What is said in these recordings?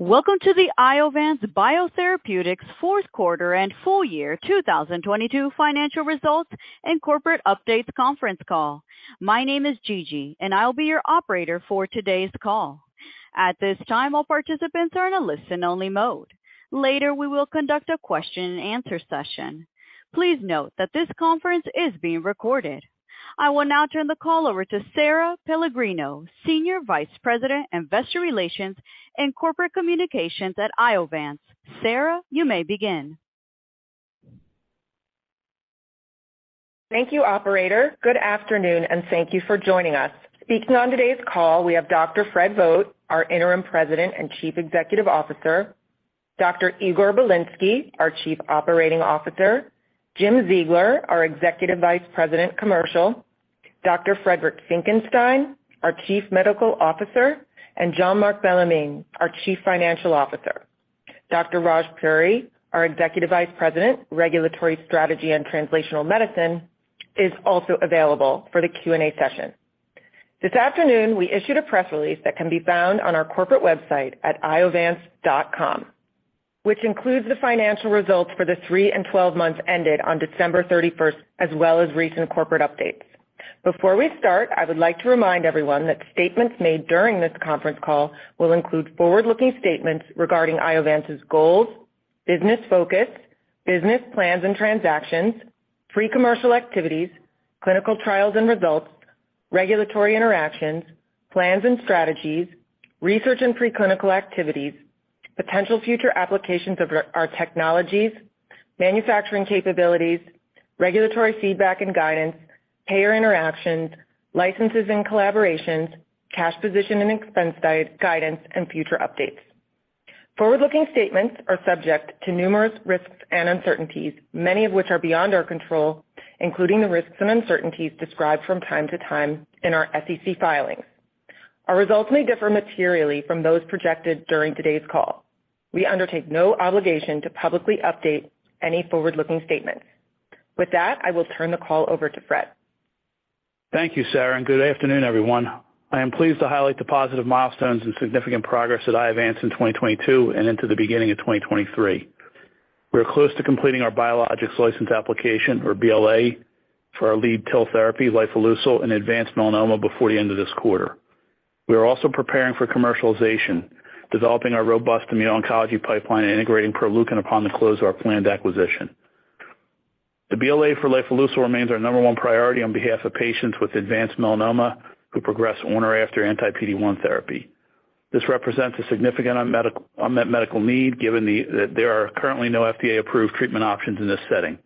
Welcome to the Iovance Biotherapeutics fourth quarter and full year 2022 financial results and corporate updates conference call. My name is Gigi, and I'll be your operator for today's call. At this time, all participants are in a listen-only mode. Later, we will conduct a question and answer session. Please note that this conference is being recorded. I will now turn the call over to Sara Pellegrino, Senior Vice President, Investor Relations and Corporate Communications at Iovance. Sara, you may begin. Thank you, operator. Good afternoon, and thank you for joining us. Speaking on today's call, we have Dr. Frederick Vogt, our Interim President and Chief Executive Officer, Dr. Igor Bilinsky, our Chief Operating Officer, Jim Ziegler, our Executive Vice President, Commercial, Dr. Friedrich Finckenstein, our Chief Medical Officer, and Jean-Marc Bellemin, our Chief Financial Officer. Dr. Raj Puri, our Executive Vice President, Regulatory Strategy and Translational Medicine, is also available for the Q&A session. This afternoon, we issued a press release that can be found on our corporate website at iovance.com, which includes the financial results for the three and 12 months ended on December 31st, as well as recent corporate updates. Before we start, I would like to remind everyone that statements made during this conference call will include forward-looking statements regarding Iovance's goals, business focus, business plans and transactions, pre-commercial activities, clinical trials and results, regulatory interactions, plans and strategies, research and pre-clinical activities, potential future applications of our technologies, manufacturing capabilities, regulatory feedback and guidance, payer interactions, licenses and collaborations, cash position and expense guidance, and future updates. Forward-looking statements are subject to numerous risks and uncertainties, many of which are beyond our control, including the risks and uncertainties described from time to time in our SEC filings. Our results may differ materially from those projected during today's call. We undertake no obligation to publicly update any forward-looking statements. With that, I will turn the call over to Fred. Thank you, Sara. Good afternoon, everyone. I am pleased to highlight the positive milestones and significant progress at Iovance in 2022 and into the beginning of 2023. We are close to completing our Biologics License Application, or BLA, for our lead TIL therapy, lifileucel, in advanced melanoma before the end of this quarter. We are also preparing for commercialization, developing our robust immuno-oncology pipeline, and integrating Proleukin upon the close of our planned acquisition. The BLA for lifileucel remains our number one priority on behalf of patients with advanced melanoma who progress on or after anti-PD-1 therapy. This represents a significant unmet medical need, that there are currently no FDA-approved treatment options in this setting.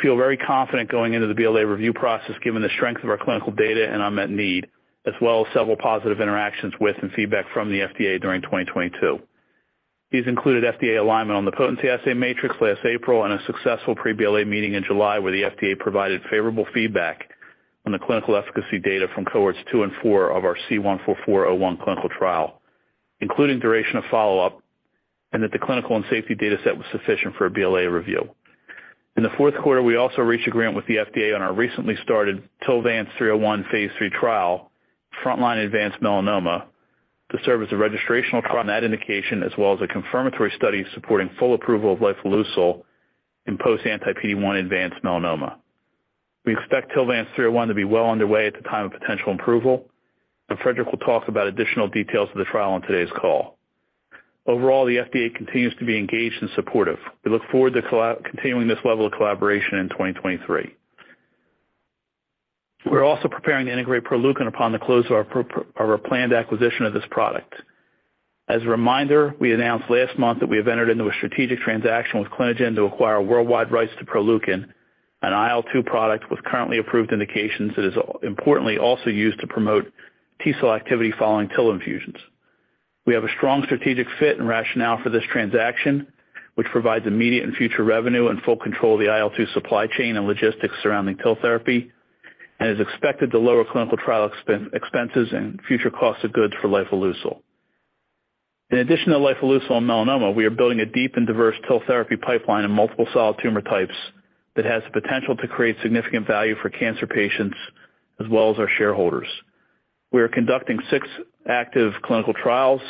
Feel very confident going into the BLA review process given the strength of our clinical data and unmet need, as well as several positive interactions with and feedback from the FDA during 2022. These included FDA alignment on the potency assay matrix last April and a successful pre-BLA meeting in July where the FDA provided favorable feedback on the clinical efficacy data from cohorts two and four of our C-144-01 clinical trial, including duration of follow-up, and that the clinical and safety data set was sufficient for a BLA review. In the fourth quarter, we also reached agreement with the FDA on our recently started TILVANCE-301 phase 3 trial, frontline advanced melanoma, to serve as a registrational trial in that indication as well as a confirmatory study supporting full approval of lifileucel in post anti-PD-1 advanced melanoma. We expect TILVANCE-301 to be well underway at the time of potential approval, Frederick will talk about additional details of the trial on today's call. Overall, the FDA continues to be engaged and supportive. We look forward to continuing this level of collaboration in 2023. We're also preparing to integrate Proleukin upon the close of our planned acquisition of this product. As a reminder, we announced last month that we have entered into a strategic transaction with Clinigen to acquire worldwide rights to Proleukin, an IL-2 product with currently approved indications that is importantly also used to promote T-cell activity following TIL infusions. We have a strong strategic fit and rationale for this transaction, which provides immediate and future revenue and full control of the IL-2 supply chain and logistics surrounding TIL therapy, and is expected to lower clinical trial expenses and future costs of goods for lifileucel. In addition to lifileucel and melanoma, we are building a deep and diverse TIL therapy pipeline in multiple solid tumor types that has the potential to create significant value for cancer patients as well as our shareholders. We are conducting six active clinical trials,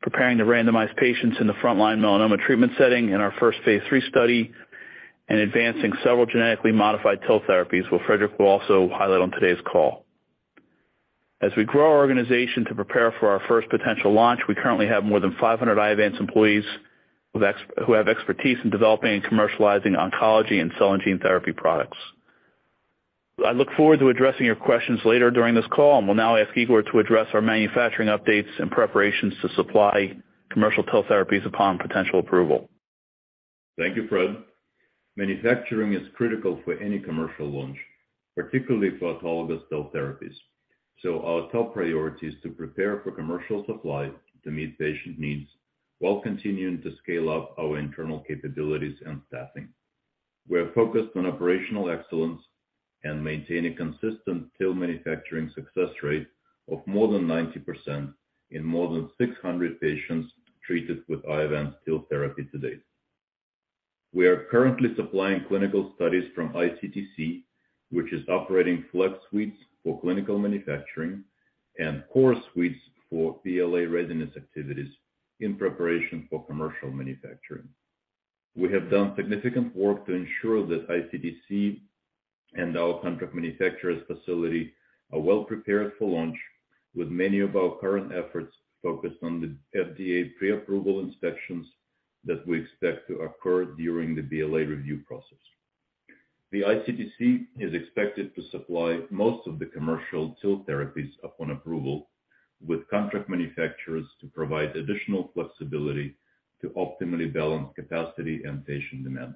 preparing to randomize patients in the front-line melanoma treatment setting in our first Phase 3 study, and advancing several genetically modified TIL therapies, which Frederick will also highlight on today's call. As we grow our organization to prepare for our first potential launch, we currently have more than 500 Iovance employees with expertise in developing and commercializing oncology and cell and gene therapy products. I look forward to addressing your questions later during this call, and will now ask Igor to address our manufacturing updates and preparations to supply commercial TIL therapies upon potential approval. Thank you, Fred. Manufacturing is critical for any commercial launch, particularly for autologous TIL therapies. Our top priority is to prepare for commercial supply to meet patient needs while continuing to scale up our internal capabilities and staffing. We are focused on operational excellence and maintain a consistent TIL manufacturing success rate of more than 90% in more than 600 patients treated with Iovance TIL therapy to date. We are currently supplying clinical studies from iCTC, which is operating flex suites for clinical manufacturing and core suites for BLA readiness activities in preparation for commercial manufacturing. We have done significant work to ensure that iCTC and our contract manufacturer's facility are well prepared for launch, with many of our current efforts focused on the FDA pre-approval inspections that we expect to occur during the BLA review process. The iCTC is expected to supply most of the commercial TIL therapies upon approval, with contract manufacturers to provide additional flexibility to optimally balance capacity and patient demand.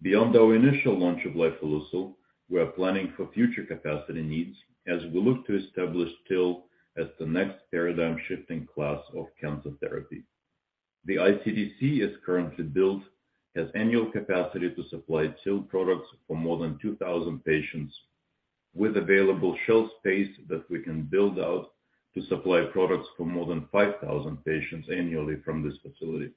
Beyond our initial launch of lifileucel, we are planning for future capacity needs as we look to establish TIL as the next paradigm-shifting class of cancer therapy. The iCTC is currently built as annual capacity to supply TIL products for more than 2,000 patients with available shelf space that we can build out to supply products for more than 5,000 patients annually from this facility.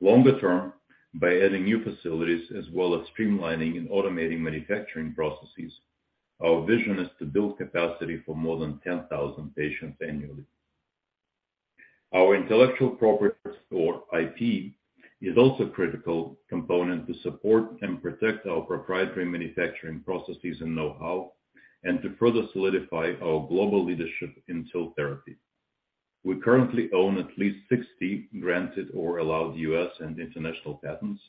Longer term, by adding new facilities as well as streamlining and automating manufacturing processes, our vision is to build capacity for more than 10,000 patients annually. Our intellectual property or IP is also a critical component to support and protect our proprietary manufacturing processes and know-how and to further solidify our global leadership in TIL therapy. We currently own at least 60 granted or allowed U.S. and international patents,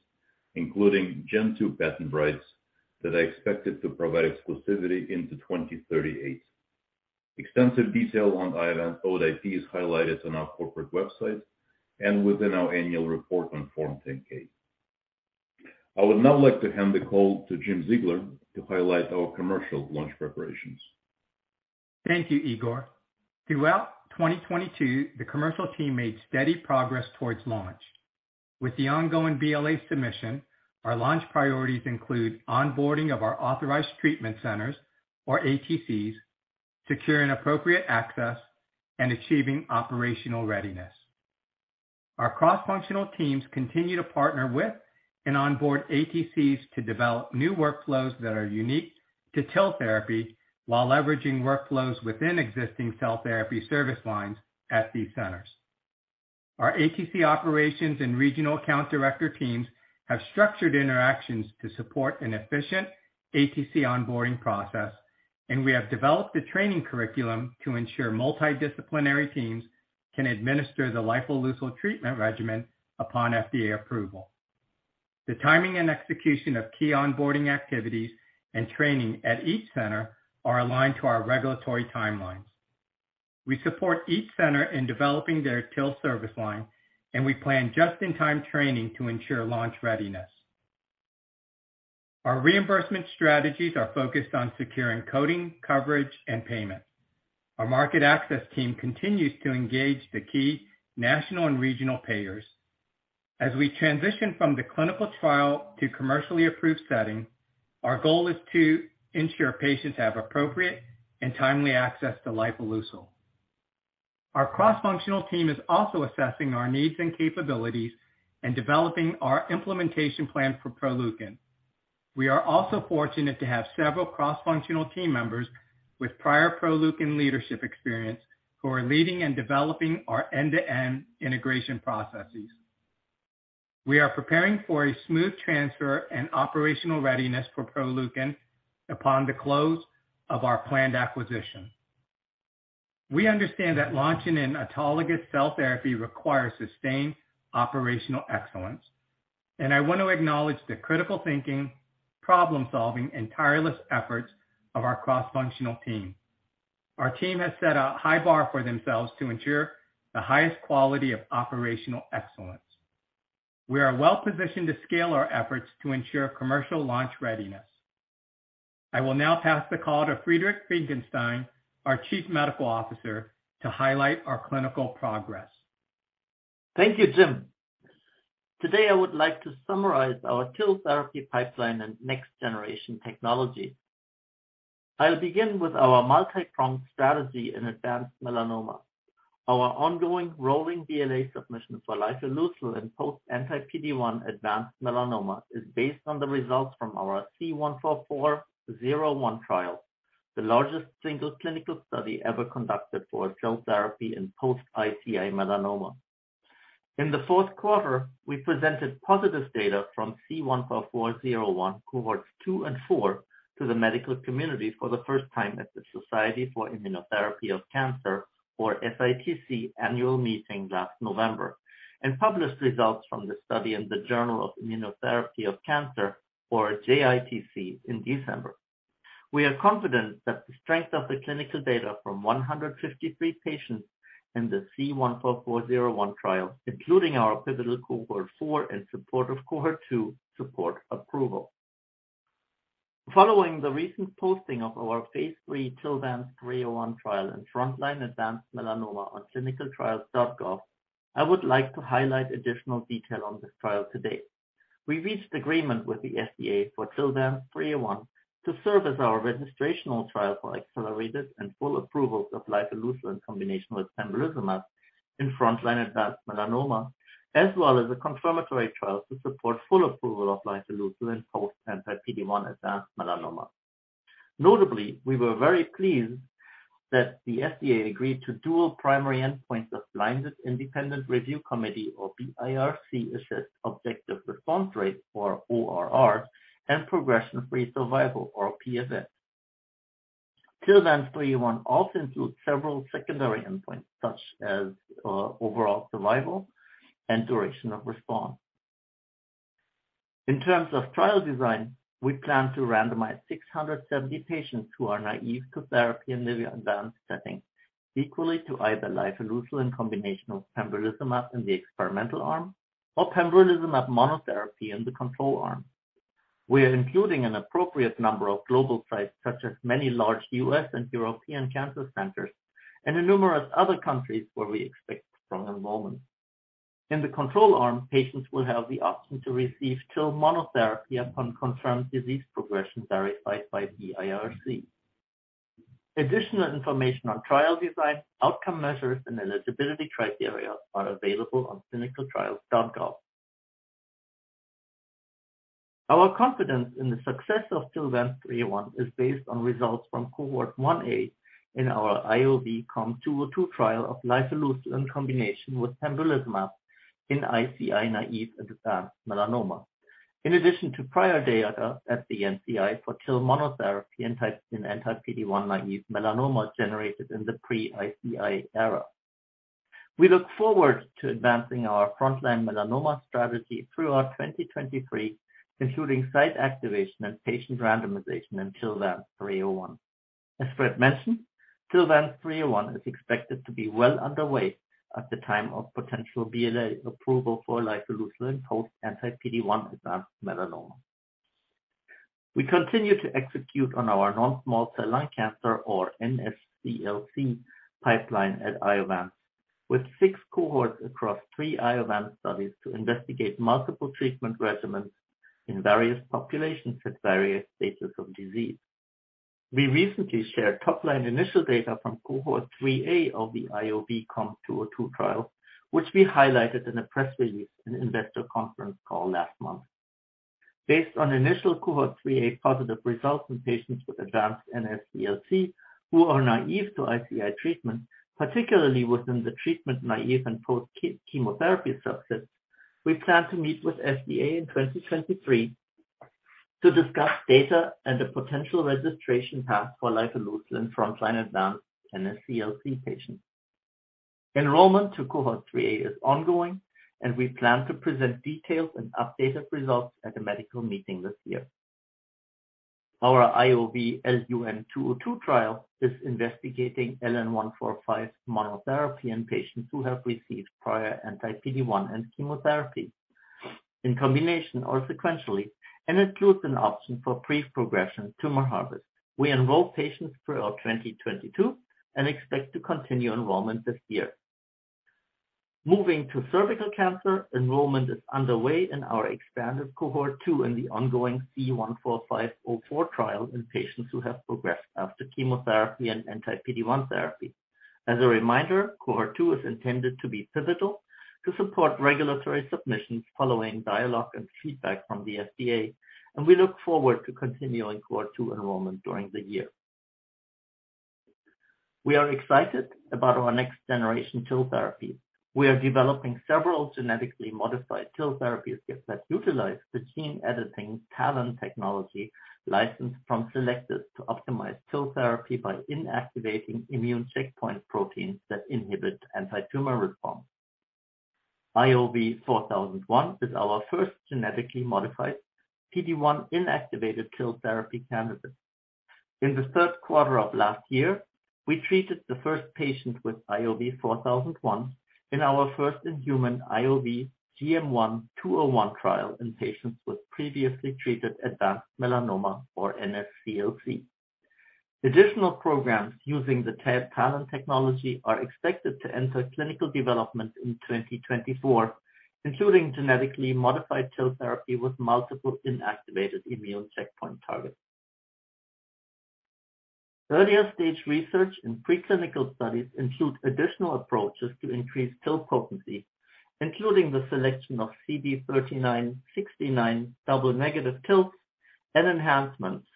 including Gen 2 patent rights that are expected to provide exclusivity into 2038. Extensive detail on Iovance-owned IP is highlighted on our corporate website and within our annual report on Form 10-K. I would now like to hand the call to Jim Ziegler to highlight our commercial launch preparations. Thank you, Igor. Throughout 2022, the commercial team made steady progress towards launch. With the ongoing BLA submission, our launch priorities include onboarding of our authorized treatment centers or ATCs, securing appropriate access, and achieving operational readiness. Our cross-functional teams continue to partner with and onboard ATCs to develop new workflows that are unique to TIL therapy while leveraging workflows within existing cell therapy service lines at these centers. Our ATC operations and regional account director teams have structured interactions to support an efficient ATC onboarding process, and we have developed a training curriculum to ensure multidisciplinary teams can administer the lifileucel treatment regimen upon FDA approval. The timing and execution of key onboarding activities and training at each center are aligned to our regulatory timelines. We support each center in developing their TIL service line, and we plan just-in-time training to ensure launch readiness. Our reimbursement strategies are focused on securing coding, coverage, and payment. Our market access team continues to engage the key national and regional payers. As we transition from the clinical trial to commercially approved setting, our goal is to ensure patients have appropriate and timely access to lifileucel. Our cross-functional team is also assessing our needs and capabilities and developing our implementation plan for Proleukin. We are also fortunate to have several cross-functional team members with prior Proleukin leadership experience who are leading and developing our end-to-end integration processes. We are preparing for a smooth transfer and operational readiness for Proleukin upon the close of our planned acquisition. We understand that launching an autologous cell therapy requires sustained operational excellence, and I want to acknowledge the critical thinking, problem-solving, and tireless efforts of our cross-functional team. Our team has set a high bar for themselves to ensure the highest quality of operational excellence. We are well-positioned to scale our efforts to ensure commercial launch readiness. I will now pass the call to Friedrich Graf Finckenstein, our Chief Medical Officer, to highlight our clinical progress. Thank you, Jim. Today, I would like to summarize our TIL therapy pipeline and next generation technology. I'll begin with our multipronged strategy in advanced melanoma. Our ongoing rolling BLA submission for lifileucel in post anti-PD-1 advanced melanoma is based on the results from our C-144-01 trial, the largest single clinical study ever conducted for a cell therapy in post ICI melanoma. In the fourth quarter, we presented positive data from C-144-01 cohorts 2 and 4 to the medical community for the first time at the Society for Immunotherapy of Cancer, or SITC, Annual Meeting last November, and published results from the study in the Journal for ImmunoTherapy of Cancer, or JITC, in December. We are confident that the strength of the clinical data from 153 patients in the C-144-01 trial, including our pivotal cohort 4 and supportive cohort 2, support approval. Following the recent posting of our phase 3 TILVANCE-301 trial in frontline advanced melanoma on ClinicalTrials.gov, I would like to highlight additional detail on this trial today. We reached agreement with the FDA for TILVANCE-301 to serve as our registrational trial for accelerated and full approvals of lifileucel in combination with pembrolizumab in frontline advanced melanoma, as well as a confirmatory trial to support full approval of lifileucel in post anti-PD-1 advanced melanoma. Notably, we were very pleased that the FDA agreed to dual primary endpoints of blinded independent review committee, or BIRC-assessed objective response rate, or ORR, and progression-free survival, or PFS. TILVANCE-301 also includes several secondary endpoints, such as overall survival and duration of response. In terms of trial design, we plan to randomize 670 patients who are naive to therapy in liver advanced setting equally to either lifileucel in combination with pembrolizumab in the experimental arm or pembrolizumab monotherapy in the control arm. We are including an appropriate number of global sites, such as many large U.S. and European cancer centers, and in numerous other countries where we expect strong enrollment. In the control arm, patients will have the option to receive TIL monotherapy upon confirmed disease progression verified by BIRC. Additional information on trial design, outcome measures, and eligibility criteria are available on ClinicalTrials.gov. Our confidence in the success of TILVANCE-301 is based on results from cohort 1A in our IOV-COM-202 trial of lifileucel in combination with pembrolizumab in ICI-naive advanced melanoma. In addition to prior data at the NCI for TIL monotherapy in anti-PD-1 naive melanoma generated in the pre-ICI era. We look forward to advancing our frontline melanoma strategy throughout 2023, including site activation and patient randomization in TILVANCE-301. As Fred mentioned, TILVANCE-301 is expected to be well underway at the time of potential BLA approval for lifileucel in post anti-PD-1 advanced melanoma. We continue to execute on our non-small cell lung cancer or NSCLC pipeline at Iovance, with 6 cohorts across three Iovance studies to investigate multiple treatment regimens in various populations at various stages of disease. We recently shared top-line initial data from cohort 3A of the IOV-COM-202 trial, which we highlighted in a press release and investor conference call last month. Based on initial cohort 3A positive results in patients with advanced NSCLC who are naive to ICI treatment, particularly within the treatment-naive and post-chemotherapy subsets, we plan to meet with FDA in 2023 to discuss data and a potential registration path for lifileucel in frontline advanced NSCLC patients. Enrollment to cohort 3A is ongoing, and we plan to present details and updated results at a medical meeting this year. Our IOV-LUN-202 trial is investigating LN-145 monotherapy in patients who have received prior anti-PD-1 and chemotherapy in combination or sequentially, and includes an option for pre-progression tumor harvest. We enroll patients throughout 2022 and expect to continue enrollment this year. Moving to cervical cancer, enrollment is underway in our expanded cohort 2 in the ongoing C-145-04 trial in patients who have progressed after chemotherapy and anti-PD-1 therapy. As a reminder, cohort 2 is intended to be pivotal to support regulatory submissions following dialogue and feedback from the FDA. We look forward to continuing cohort 2 enrollment during the year. We are excited about our next-generation TIL therapy. We are developing several genetically modified TIL therapies that utilize the gene-editing TALEN technology licensed from Cellectis to optimize TIL therapy by inactivating immune checkpoint proteins that inhibit antitumor response. IOV-4001 is our first genetically modified PD-1 inactivated TIL therapy candidate. In the third quarter of last year, we treated the first patient with IOV-4001 in our first-in-human IOV-GM1-201 trial in patients with previously treated advanced melanoma or NSCLC. Additional programs using the TALEN technology are expected to enter clinical development in 2024, including genetically modified TIL therapy with multiple inactivated immune checkpoint targets. Earlier stage research in preclinical studies include additional approaches to increase TIL potency, including the selection of CD39/69 double negative TILs and enhancements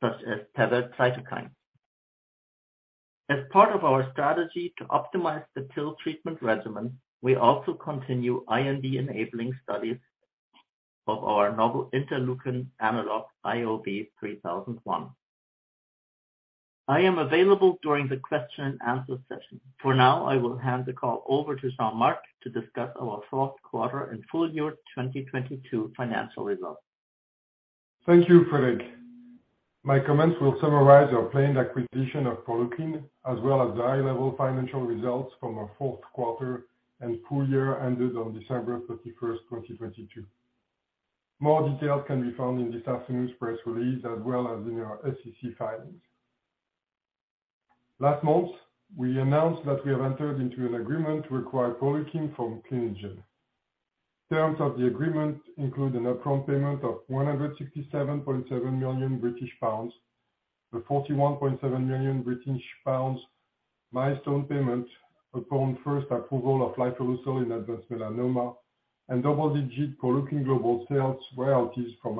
such as tethered cytokines. As part of our strategy to optimize the TIL treatment regimen, we also continue IND-enabling studies of our novel interleukin analog, IOV-3001. I am available during the question and answer session. For now, I will hand the call over to Jean-Marc to discuss our fourth quarter and full year 2022 financial results. Thank you, Frederick. My comments will summarize our planned acquisition of Proleukin, as well as the high-level financial results from our fourth quarter and full year ended on December 31, 2022. More details can be found in this afternoon's press release, as well as in our SEC filings. Last month, we announced that we have entered into an agreement to acquire Proleukin from Clinigen. Terms of the agreement include an upfront payment of 167.7 million British pounds, a 41.7 million British pounds milestone payment upon first approval of lifileucel in advanced melanoma, and double-digit Proleukin global sales royalties from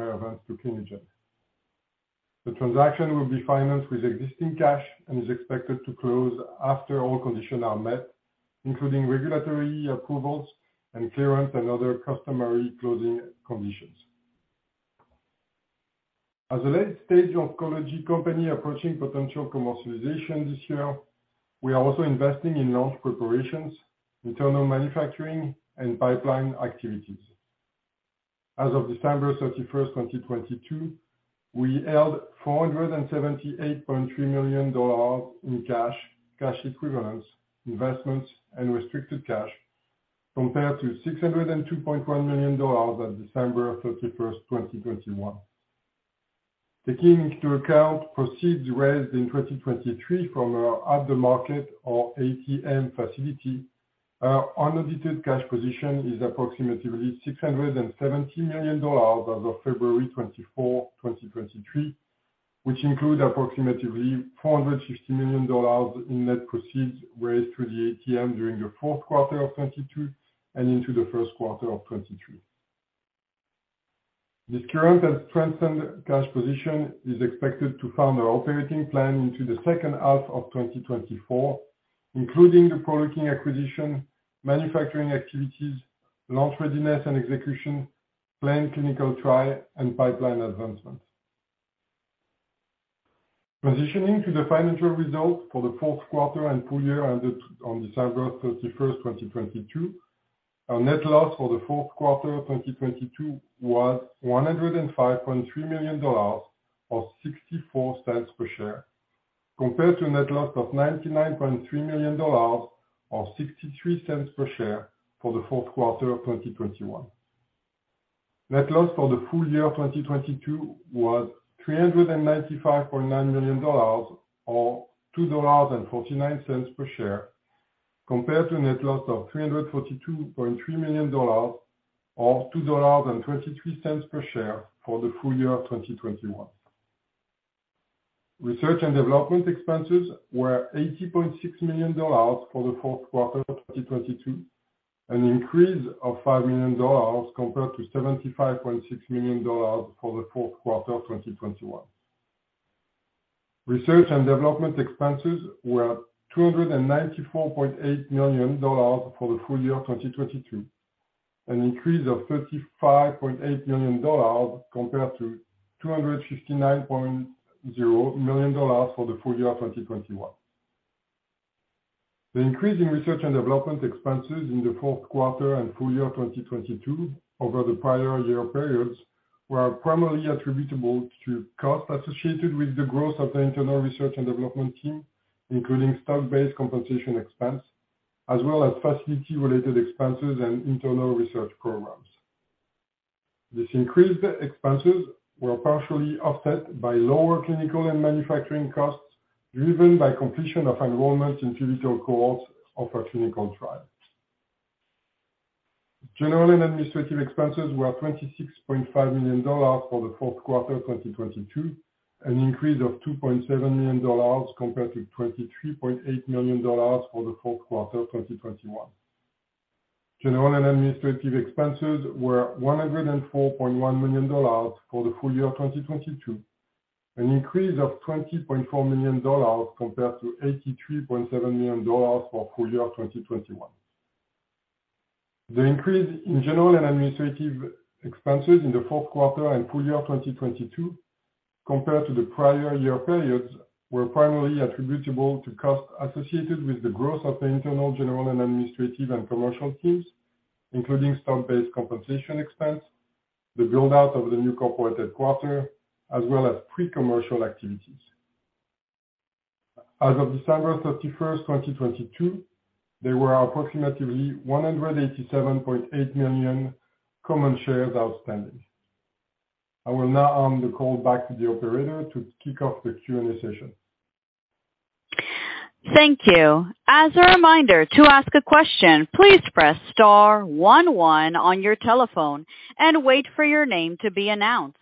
Thank you. As a reminder, to ask a question, please press star one one on your telephone and wait for your name to be announced.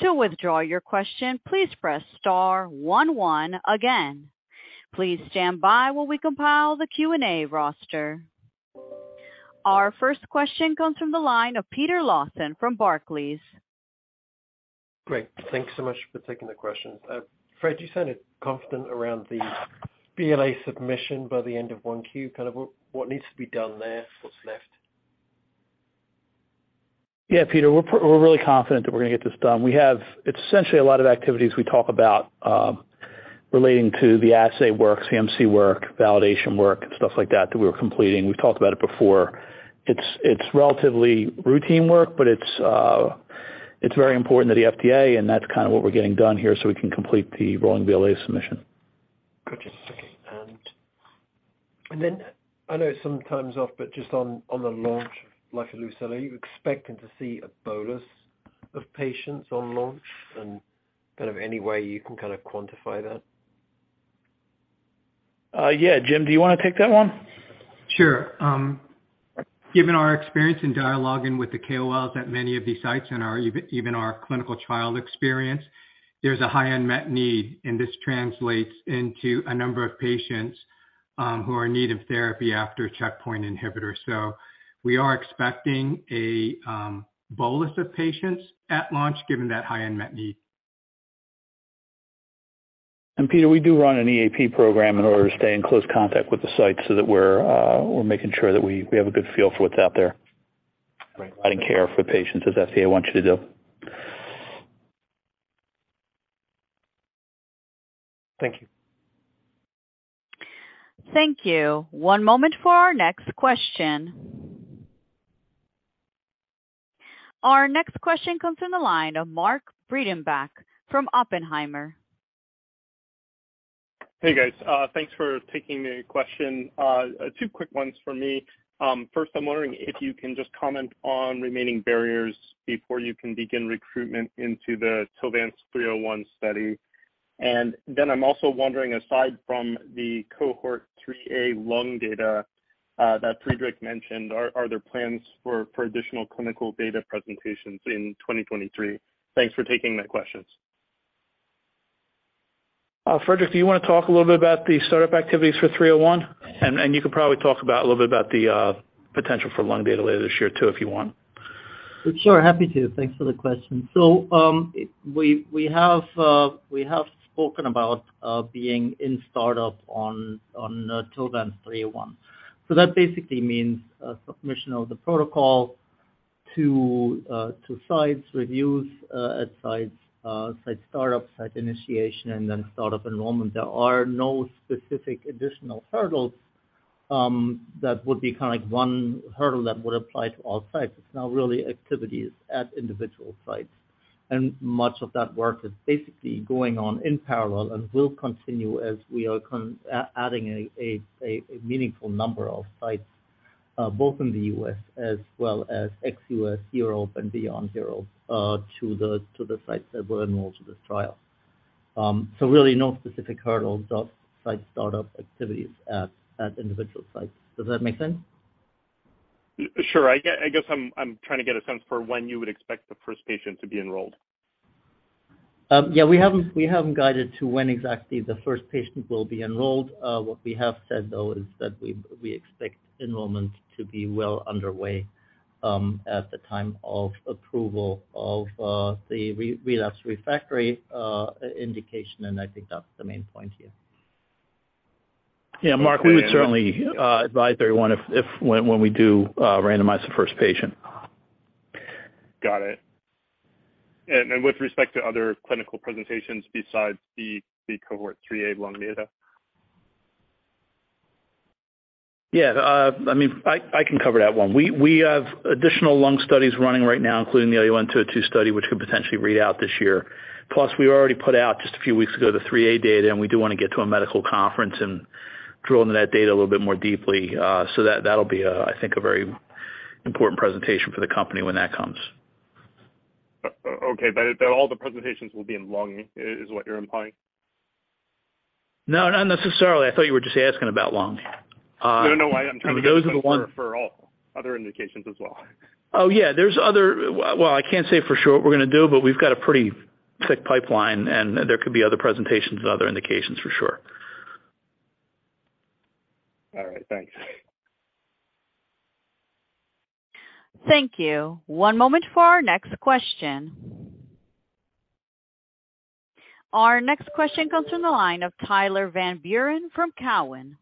To withdraw your question, please press star one one again. Please stand by while we compile the Q&A roster. Our first question comes from the line of Peter Lawson from Barclays. Great. Thanks so much for taking the question. Fred, you sounded confident around the BLA submission by the end of 1Q. Kind of what needs to be done there, what's left? Yeah, Peter, we're really confident that we're gonna get this done. We have essentially a lot of activities we talk about, relating to the assay work, CMC work, validation work, and stuff like that we are completing. We've talked about it before. It's relatively routine work, but it's very important to the FDA, and that's kind of what we're getting done here so we can complete the rolling BLA submission. Gotcha. Okay. I know it's sometimes off, but just on the launch of lifileucel, are you expecting to see a bolus of patients on launch? Kind of any way you can kind of quantify that. Yeah. Jim, do you wanna take that one? Sure. Given our experience in dialoguing with the KOLs at many of these sites and our even our clinical trial experience, there's a high unmet need, and this translates into a number of patients who are in need of therapy after checkpoint inhibitor. We are expecting a bolus of patients at launch given that high unmet need. Peter, we do run an EAP program in order to stay in close contact with the site so that we're making sure that we have a good feel for what's out there. Right. I didn't care for patients as FDA want you to do. Thank you. Thank you. One moment for our next question. Our next question comes in the line of Mark Breidenbach from Oppenheimer. Hey, guys. Thanks for taking the question. Two quick ones for me. First, I'm wondering if you can just comment on remaining barriers before you can begin recruitment into the TILVANCE-301 study. I'm also wondering, aside from the cohort 3A lung data that Friedrich mentioned, are there plans for additional clinical data presentations in 2023? Thanks for taking the questions. Friedrich, do you wanna talk a little bit about the startup activities for 301? You can probably talk about a little bit about the potential for lung data later this year too, if you want. Sure. Happy to. Thanks for the question. We have spoken about being in startup on TILVANCE-301. That basically means submission of the protocol to sites reviews at sites, site startup, site initiation, and then startup enrollment. There are no specific additional hurdles that would be kinda like one hurdle that would apply to all sites. It's now really activities at individual sites. Much of that work is basically going on in parallel and will continue as we are adding a meaningful number of sites both in the U.S. as well as ex-U.S., Europe and beyond Europe to the sites that were enrolled to this trial. Really no specific hurdles of site startup activities at individual sites. Does that make sense? Sure. I guess I'm trying to get a sense for when you would expect the first patient to be enrolled? Yeah, we haven't guided to when exactly the first patient will be enrolled. What we have said, though, is that we expect enrollment to be well underway, at the time of approval of, the relapsed refractory indication, and I think that's the main point here. Mark, we would certainly advise everyone if when we do randomize the first patient. Got it. With respect to other clinical presentations besides the cohort 3A lung data. I mean, I can cover that one. We have additional lung studies running right now, including the IOV-LUN-202 study, which could potentially read out this year. We already put out just a few weeks ago the 3A data, and we do wanna get to a medical conference and drill into that data a little bit more deeply. That, that'll be, I think, a very important presentation for the company when that comes. Okay. All the presentations will be in lung is what you're implying? No, not necessarily. I thought you were just asking about lung. No, no. I'm trying to get a sense for all other indications as well. Oh, yeah. Well, I can't say for sure what we're gonna do, but we've got a pretty thick pipeline, and there could be other presentations and other indications for sure. All right. Thanks. Thank you. One moment for our next question. Our next question comes from the line of Tyler Van Buren from Cowen.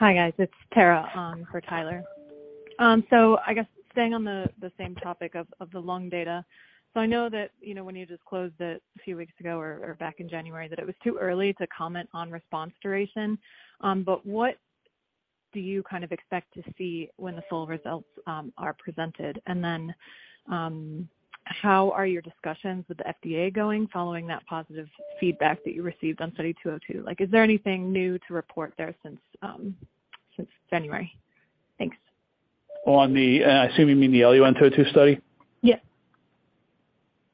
Hi, guys. It's Tara, for Tyler. I guess staying on the same topic of the lung data. I know that, you know, when you disclosed it a few weeks ago or back in January that it was too early to comment on response duration, but what do you kind of expect to see when the full results are presented? Then, how are your discussions with the FDA going following that positive feedback that you received on study IOV-COM-202? Like, is there anything new to report there since February? Thanks. On the, I assume you mean the IOV-LUN-202 study?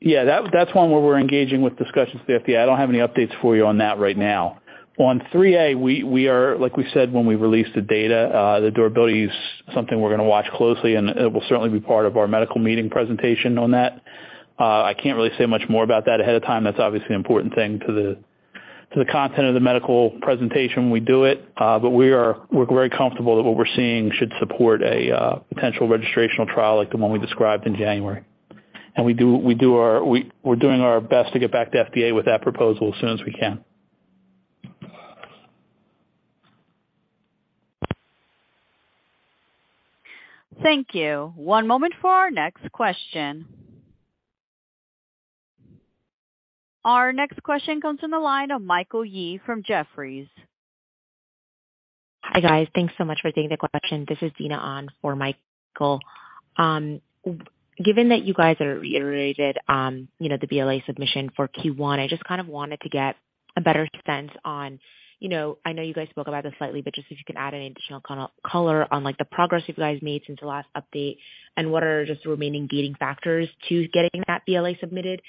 Yeah. That's one where we're engaging with discussions with the FDA. I don't have any updates for you on that right now. On 3A, we are... Like we said when we released the data, the durability is something we're gonna watch closely, and it will certainly be part of our medical meeting presentation on that. I can't really say much more about that ahead of time. That's obviously an important thing to the content of the medical presentation when we do it. We're very comfortable that what we're seeing should support a potential registrational trial like the one we described in January. We're doing our best to get back to FDA with that proposal as soon as we can. Thank you. One moment for our next question. Our next question comes from the line of Michael Yee from Jefferies. Hi, guys. Thanks so much for taking the question. This is Dina on for Michael. Given that you guys are reiterated, you know, the BLA submission for Q1, I just kind of wanted to get a better sense on, you know, I know you guys spoke about this slightly, but just if you can add any additional kind of color on, like, the progress you guys made since the last update and what are just the remaining gating factors to getting that BLA submitted.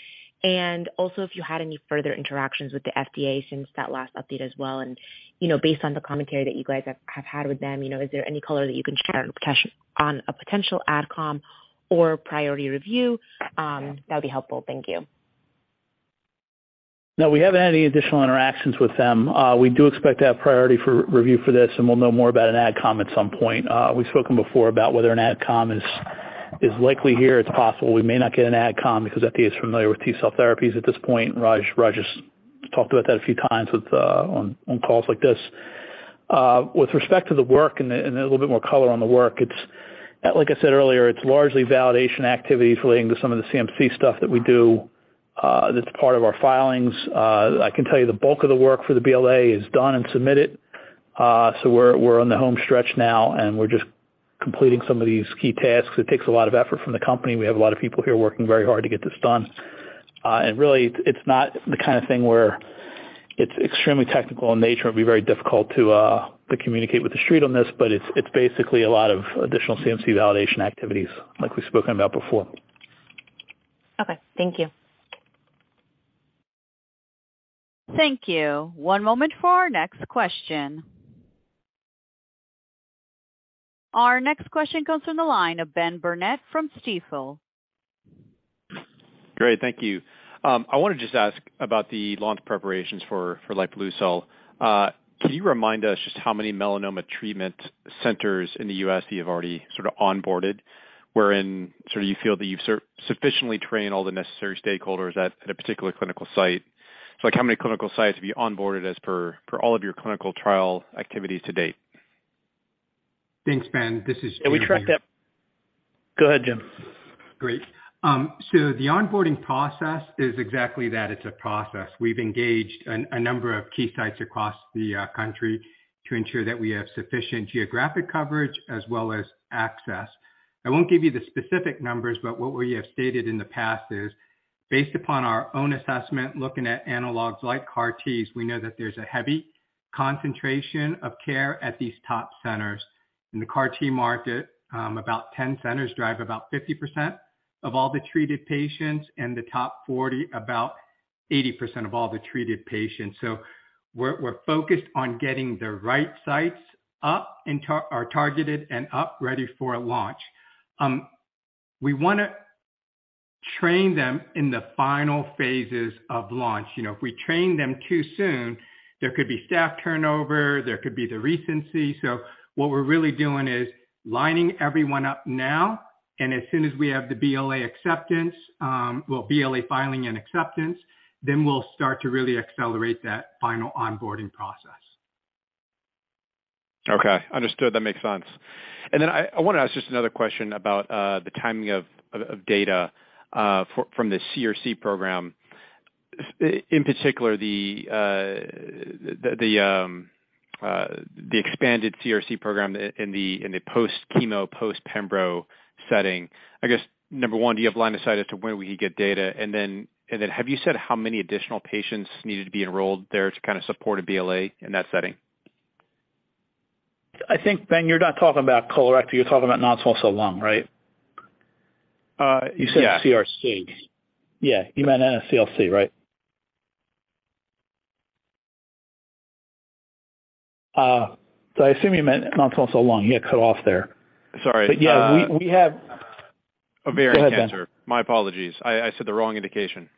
If you had any further interactions with the FDA since that last update as well. Based on the commentary that you guys have had with them, you know, is there any color that you can share on a potential Adcom or priority review? That would be helpful. Thank you. No, we haven't had any additional interactions with them. We do expect to have priority for review for this, and we'll know more about an Adcom at some point. We've spoken before about whether an Adcom is likely here. It's possible we may not get an Adcom because FDA is familiar with T-cell therapies at this point. Raj has talked about that a few times with on calls like this. With respect to the work and a little bit more color on the work, it's, like I said earlier, it's largely validation activities relating to some of the CMC stuff that we do, that's part of our filings. I can tell you the bulk of the work for the BLA is done and submitted. We're on the home stretch now, and we're just completing some of these key tasks. It takes a lot of effort from the company. We have a lot of people here working very hard to get this done. Really, it's not the kind of thing where it's extremely technical in nature. It'd be very difficult to communicate with The Street on this, but it's basically a lot of additional CMC validation activities like we've spoken about before. Okay, thank you. Thank you. One moment for our next question. Our next question comes from the line of Benjamin Burnett from Stifel. Great. Thank you. I want to just ask about the launch preparations for lifileucel. Can you remind us just how many melanoma treatment centers in the U.S. you have already sort of onboarded, wherein sort of you feel that you've sufficiently trained all the necessary stakeholders at a particular clinical site? How many clinical sites have you onboarded for all of your clinical trial activities to date? Thanks, Ben. This is Jim. We tracked that. Go ahead, Jim. Great. The onboarding process is exactly that. It's a process. We've engaged a number of key sites across the country to ensure that we have sufficient geographic coverage as well as access. I won't give you the specific numbers, but what we have stated in the past is, based upon our own assessment, looking at analogs like CAR-Ts, we know that there's a heavy concentration of care at these top centers. In the CAR-T market, about 10 centers drive about 50% of all the treated patients, and the top 40, about 80% of all the treated patients. We're focused on getting the right sites up and targeted and up ready for a launch. We wanna train them in the final phases of launch. You know, if we train them too soon, there could be staff turnover, there could be the recency. What we're really doing is lining everyone up now, and as soon as we have the BLA acceptance, well, BLA filing and acceptance, then we'll start to really accelerate that final onboarding process. Okay. Understood. That makes sense. Then I wanna ask just another question about the timing of data from the CRC program, in particular, the expanded CRC program in the post-chemo, post-pembro setting. I guess, number 1, do you have line of sight as to when we could get data? Then have you said how many additional patients needed to be enrolled there to kind of support a BLA in that setting? I think, Ben, you're not talking about colorectal, you're talking about non-small cell lung, right? You said CRC. Yeah. You meant NSCLC, right? I assume you meant non-small cell lung. You got cut off there. Sorry. yeah, we. Ovarian cancer. Go ahead, Ben. My apologies. I said the wrong indication.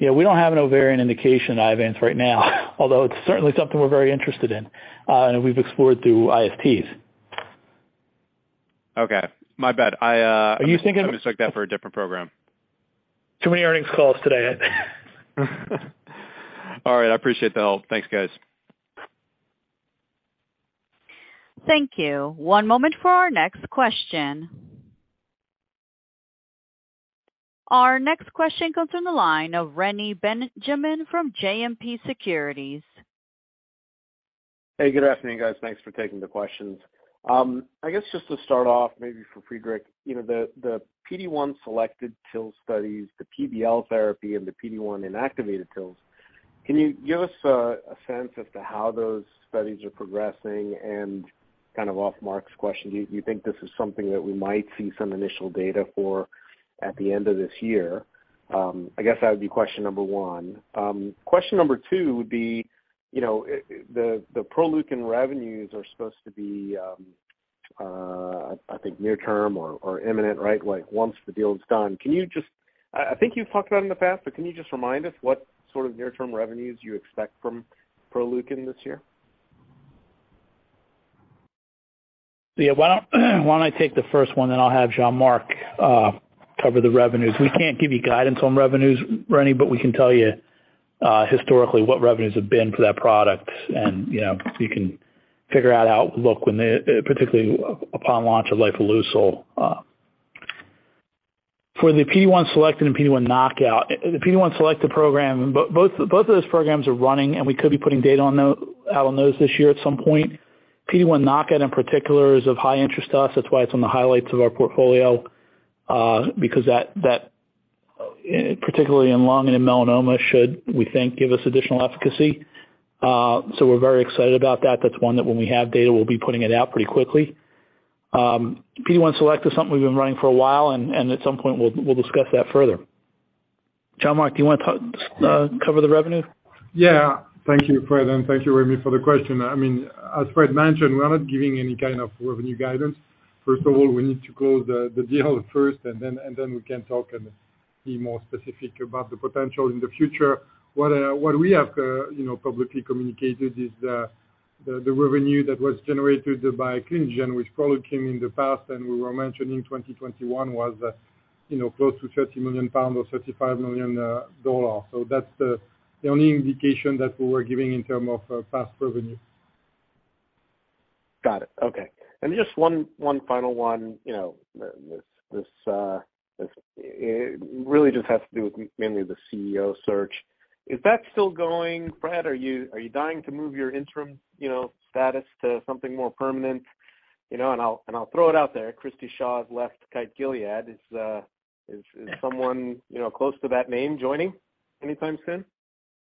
Yeah, we don't have an ovarian indication at Iovance right now, although it's certainly something we're very interested in, and we've explored through ISTs. Okay. My bad. I. Are you thinking of... I mistook that for a different program. Too many earnings calls today. All right. I appreciate the help. Thanks, guys. Thank you. One moment for our next question. Our next question comes from the line of Reni Benjamin from JMP Securities. Hey, good afternoon, guys. Thanks for taking the questions. I guess just to start off maybe for Friedrich, you know, the PD-1 selected TIL studies, the PBL therapy and the PD-1 inactivated TILs, can you give us a sense as to how those studies are progressing and kind of off Mark's question, do you think this is something that we might see some initial data for at the end of this year? I guess that would be question number one. Question number two would be, you know, the Proleukin revenues are supposed to be, I think near term or imminent, right? Like, once the deal is done. I think you've talked about in the past, but can you just remind us what sort of near-term revenues you expect from Proleukin this year? Yeah. Why don't I take the first one, then I'll have Jean-Marc cover the revenues. We can't give you guidance on revenues, Renny, but we can tell you historically what revenues have been for that product. You know, you can figure out outlook when the particularly upon launch of lifileucel. For the PD-1 selected and PD-1 knockout, the PD-1 selected program, both of those programs are running, and we could be putting data out on those this year at some point. PD-1 knockout in particular is of high interest to us. That's why it's on the highlights of our portfolio because that particularly in lung and in melanoma, should, we think, give us additional efficacy. We're very excited about that. That's one that when we have data, we'll be putting it out pretty quickly. PD-1 select is something we've been running for a while, and at some point we'll discuss that further. Jean-Marc, do you wanna cover the revenue? Thank you, Fred, and thank you, Reni, for the question. I mean, as Fred mentioned, we are not giving any kind of revenue guidance. First of all, we need to close the deal first, and then we can talk and be more specific about the potential in the future. What we have, you know, publicly communicated is the revenue that was generated by Clinigen, which probably came in the past, and we were mentioning 2021 was, you know, close to 30 million pounds or $35 million. That's the only indication that we were giving in terms of past revenue. Got it. Okay. Just one final one. You know, this really just has to do with mainly the CEO search. Is that still going? Fred, are you dying to move your interim, you know, status to something more permanent? You know, I'll throw it out there. Christi Shaw has left Kite Gilead. Is someone, you know, close to that name joining anytime soon?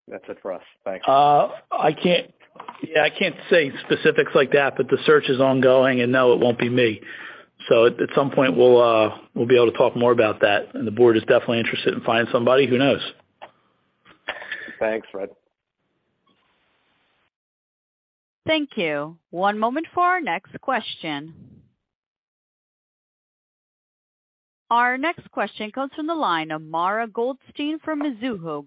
That's it for us. Thanks. I can't say specifics like that. The search is ongoing. No, it won't be me. At some point, we'll be able to talk more about that. The board is definitely interested in finding somebody who knows. Thanks, Fred. Thank you. One moment for our next question. Our next question comes from the line of Mara Goldstein from Mizuho.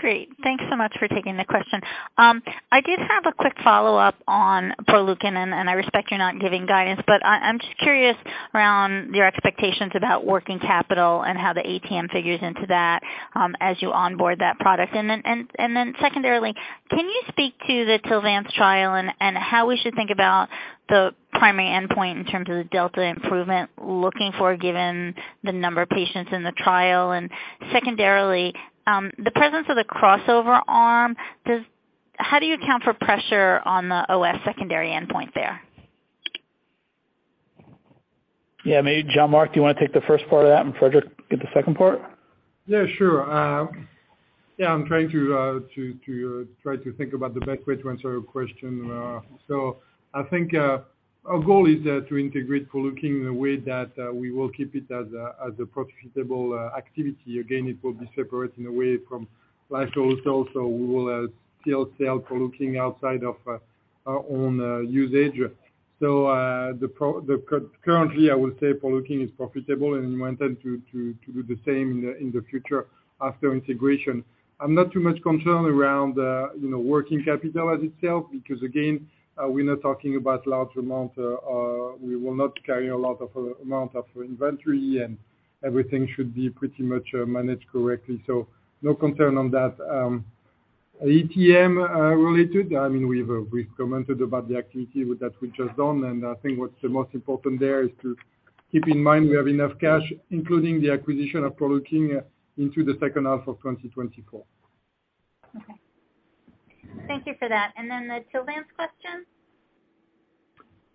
Great. Thanks so much for taking the question. I did have a quick follow-up on Proleukin, and I respect you're not giving guidance, but I'm just curious around your expectations about working capital and how the ATM figures into that, as you onboard that product. Then secondarily, can you speak to the lifileucel trial and how we should think about the primary endpoint in terms of the delta improvement looking forward, given the number of patients in the trial, and secondarily, the presence of the crossover arm, how do you account for pressure on the OS secondary endpoint there? Yeah, maybe Jean-Marc, do you wanna take the first part of that and Frederick get the second part? Yeah, sure. Yeah, I'm trying to try to think about the best way to answer your question. I think our goal is to integrate Proleukin in a way that we will keep it as a profitable activity. Again, it will be separate in a way from fludarabine also, we will still sell Proleukin outside of our own usage. Currently, I will say Proleukin is profitable and we intend to do the same in the future after integration. I'm not too much concerned around, you know, working capital as itself, because again, we're not talking about large amount. We will not carry a lot of amount of inventory, and everything should be pretty much managed correctly. No concern on that. ATM related, I mean, we've commented about the activity with that we've just done, and I think what's the most important there is to keep in mind we have enough cash, including the acquisition of Proleukin into the second half of 2024. Okay. Thank you for that. Then the Lifileucel question.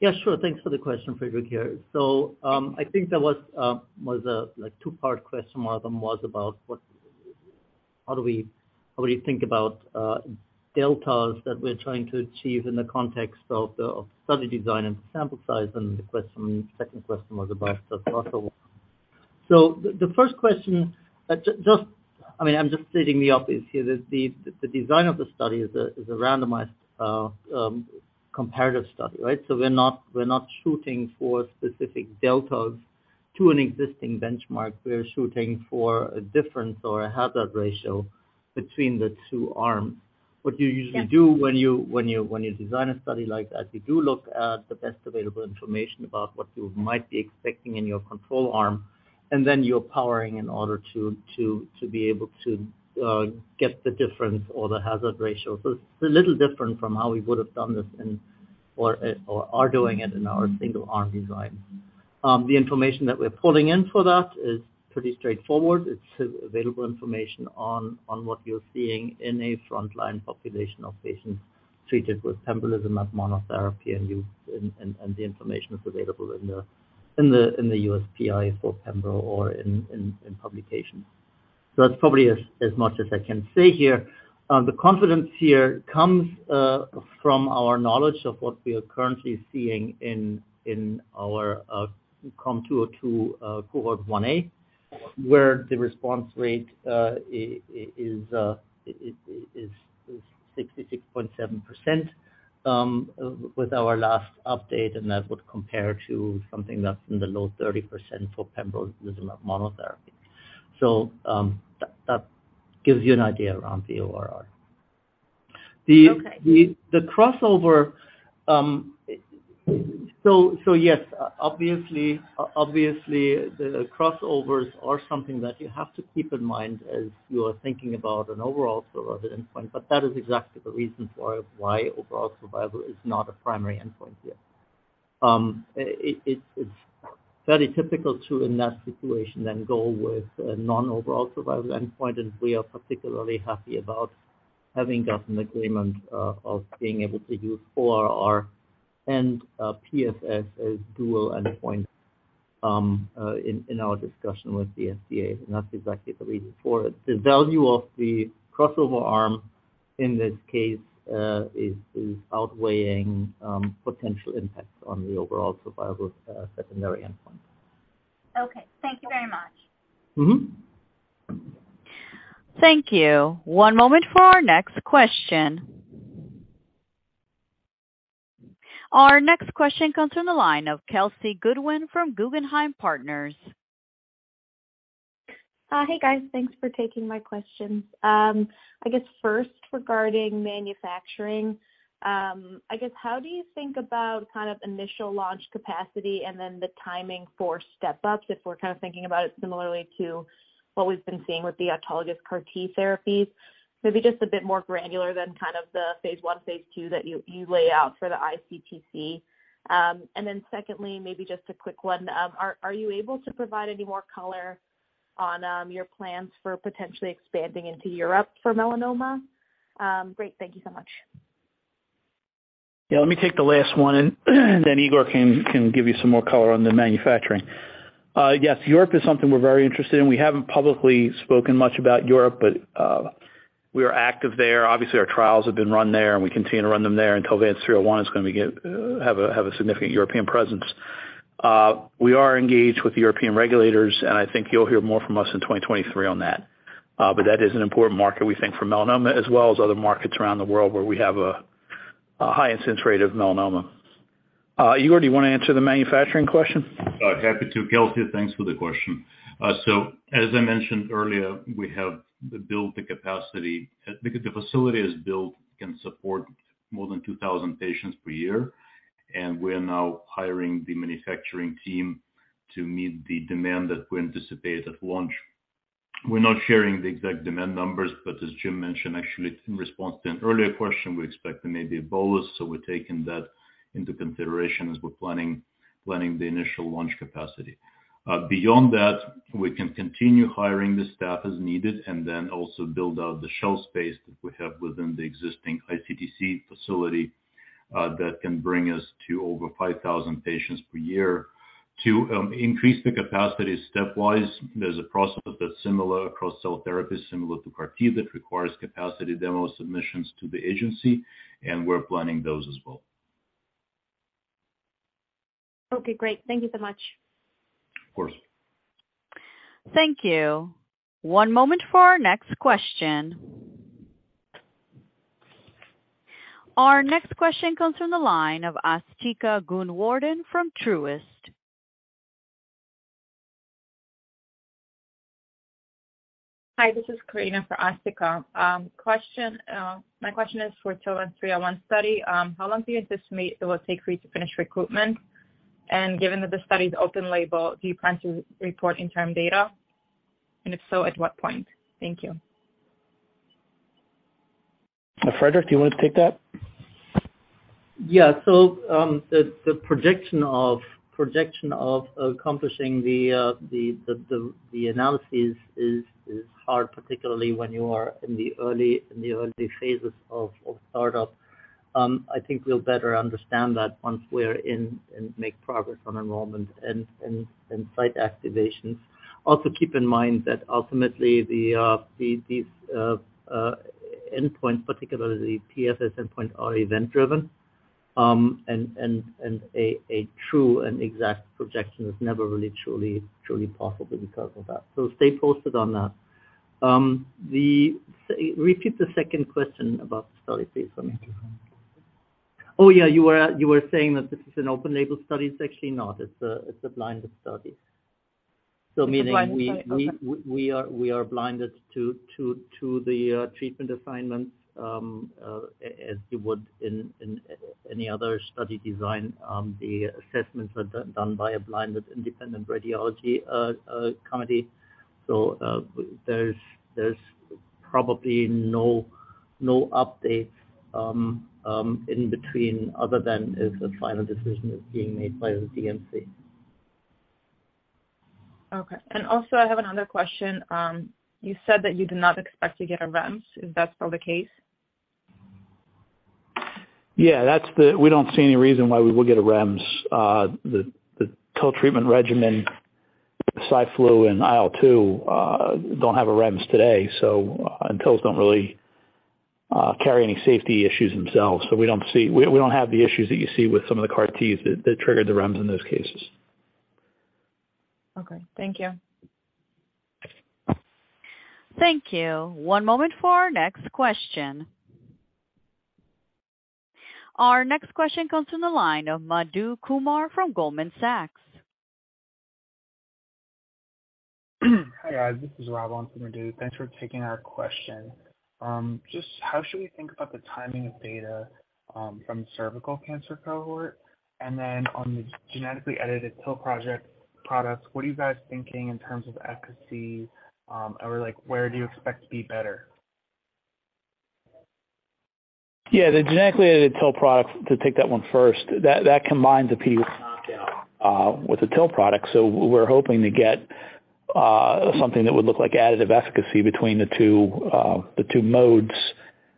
Yeah, sure. Thanks for the question, Frederick here. I think that was a, like, two-part question. One of them was about how do you think about deltas that we're trying to achieve in the context of study design and sample size? The second question was about the crossover. The first question, I mean, I'm just setting me up is here that the design of the study is a randomized comparative study, right? We're not shooting for specific deltas to an existing benchmark. We're shooting for a difference or a hazard ratio between the two arms. What you usually do- Yes. When you design a study like that, you do look at the best available information about what you might be expecting in your control arm, and then you're powering in order to be able to get the difference or the hazard ratio. It's a little different from how we would have done this in or are doing it in our single arm design. The information that we're pulling in for that is pretty straightforward. It's available information on what you're seeing in a frontline population of patients treated with pembrolizumab monotherapy and the information is available in the USPI for pembro or in publications. That's probably as much as I can say here. The confidence here comes from our knowledge of what we are currently seeing in our IOV-COM-202 cohort 1A, where the response rate is 66.7% with our last update, and that would compare to something that's in the low 30% for pembrolizumab monotherapy. That gives you an idea around the ORR. Okay. The crossover, yes, obviously the crossovers are something that you have to keep in mind as you are thinking about an overall survival endpoint, but that is exactly the reason for why overall survival is not a primary endpoint here. It's very typical to, in that situation, then go with a non-overall survival endpoint, and we are particularly happy about having gotten agreement of being able to use ORR and PFS as dual endpoint in our discussion with the FDA. That's exactly the reason for it. The value of the crossover arm in this case is outweighing potential impact on the overall survival secondary endpoint. Okay. Thank you very much. Mm-hmm. Thank you. One moment for our next question. Our next question comes from the line of Kelsey Goodwin from Guggenheim Partners. Hey, guys. Thanks for taking my questions. I guess first, regarding manufacturing, I guess how do you think about kind of initial launch capacity and then the timing for step-ups, if we're kind of thinking about it similarly to what we've been seeing with the autologous CAR-T therapies? Maybe just a bit more granular than kind of the phase 1, phase 2 that you lay out for the iCTC. And then secondly, maybe just a quick one. Are you able to provide any more color on your plans for potentially expanding into Europe for melanoma? Great. Thank you so much. Yeah. Let me take the last one and then Igor can give you some more color on the manufacturing. Yes, Europe is something we're very interested in. We haven't publicly spoken much about Europe, but we are active there. Obviously, our trials have been run there, and we continue to run them there, and TILVANCE-301 is gonna have a significant European presence. We are engaged with the European regulators, and I think you'll hear more from us in 2023 on that. That is an important market, we think, for melanoma as well as other markets around the world where we have a high incidence rate of melanoma. Igor, do you wanna answer the manufacturing question? Happy to, Kelsey. Thanks for the question. As I mentioned earlier, we have built the capacity. The facility is built, can support more than 2,000 patients per year, and we're now hiring the manufacturing team to meet the demand that we anticipate at launch. We're not sharing the exact demand numbers, but as Jim mentioned actually in response to an earlier question, we expect there may be a bolus, so we're taking that into consideration as we're planning the initial launch capacity. Beyond that, we can continue hiring the staff as needed and then also build out the shelf space that we have within the existing iCTC facility that can bring us to over 5,000 patients per year. To increase the capacity stepwise, there's a process that's similar across cell therapies, similar to CAR-T, that requires capacity demo submissions to the agency, and we're planning those as well. Okay. Great. Thank you so much. Of course. Thank you. One moment for our next question. Our next question comes from the line of Asthika Goonewardene from Truist. Hi, this is Karina for Asthika. Question, my question is for TILVANCE-301 study. How long do you estimate it will take for you to finish recruitment? Given that the study is open label, do you plan to report interim data? If so, at what point? Thank you. Frederick, do you want to take that? Yeah. The projection of accomplishing the analysis is hard, particularly when you are in the early phases of startup. I think we'll better understand that once we're in and make progress on enrollment and site activations. Keep in mind that ultimately the these endpoints, particularly PFS endpoint, are event driven. A true and exact projection is never really truly possible because of that. Stay posted on that. The. Say, repeat the second question about the study, please, for me. Yeah, you were saying that this is an open-label study. It's actually not. It's a blinded study. It's a blinded study. Okay. Meaning we are blinded to the treatment assignments as you would in any other study design. The assessments are done by a blinded independent radiology committee. There's probably no updates in between other than if a final decision is being made by the DMC. Okay. Also, I have another question. You said that you do not expect to get a REMS. Is that still the case? Yeah. That's the... We don't see any reason why we will get a REMS. The TIL treatment regimen, Cy/Flu and IL-2, don't have a REMS today, so, and TILs don't really carry any safety issues themselves. We don't see... We don't have the issues that you see with some of the CAR-Ts that triggered the REMS in those cases. Okay. Thank you. Thank you. One moment for our next question. Our next question comes from the line of Madhu Kumar from Goldman Sachs. Hi, guys. This is [Rama] for Madhu. Thanks for taking our question. Just how should we think about the timing of data from cervical cancer cohort? On the genetically edited TIL project products, what are you guys thinking in terms of efficacy? Or like, where do you expect to be better? Yeah, the genetically edited TIL products, to take that one first, that combines a PD-L1 knockout with the TIL product. We're hoping to get something that would look like additive efficacy between the two, the two modes,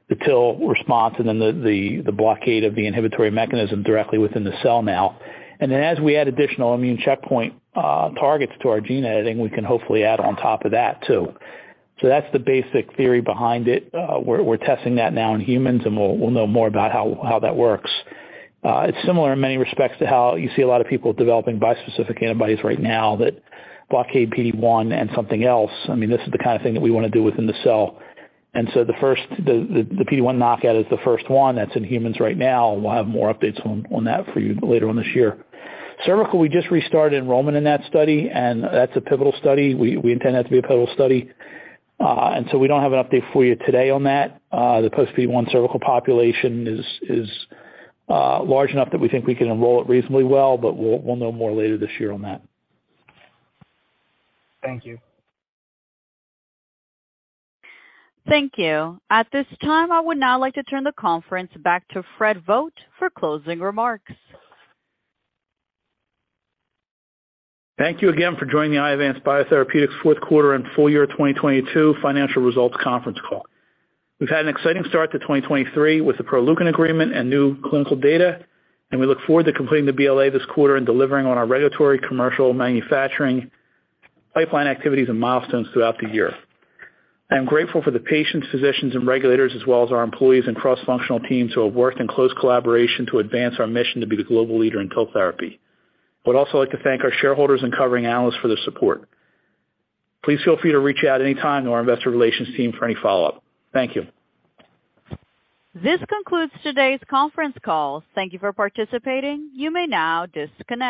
the TIL response and then the blockade of the inhibitory mechanism directly within the cell now. As we add additional immune checkpoint targets to our gene editing, we can hopefully add on top of that too. That's the basic theory behind it. We're testing that now in humans, and we'll know more about how that works. It's similar in many respects to how you see a lot of people developing bispecific antibodies right now that blockade PD-1 and something else. I mean, this is the kind of thing that we wanna do within the cell. The PD-1 knockout is the first one that's in humans right now, and we'll have more updates on that for you later on this year. Cervical, we just restarted enrollment in that study, and that's a pivotal study. We intend that to be a pivotal study. So we don't have an update for you today on that. The post-PD-1 cervical population is large enough that we think we can enroll it reasonably well, but we'll know more later this year on that. Thank you. Thank you. At this time, I would now like to turn the conference back to Frederick Vogt for closing remarks. Thank you again for joining the Iovance Biotherapeutics fourth quarter and full year 2022 financial results conference call. We've had an exciting start to 2023 with the Proleukin agreement and new clinical data, and we look forward to completing the BLA this quarter and delivering on our regulatory commercial manufacturing pipeline activities and milestones throughout the year. I am grateful for the patients, physicians and regulators as well as our employees and cross-functional teams who have worked in close collaboration to advance our mission to be the global leader in TIL therapy. I would also like to thank our shareholders and covering analysts for their support. Please feel free to reach out anytime to our investor relations team for any follow-up. Thank you. This concludes today's conference call. Thank you for participating. You may now disconnect.